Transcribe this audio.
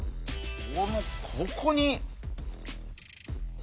ここに。